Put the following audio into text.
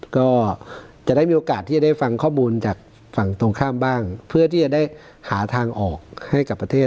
ก็จะได้มีโอกาสที่จะได้ฟังข้อมูลจากฝั่งตรงข้ามบ้างเพื่อที่จะได้หาทางออกให้กับประเทศ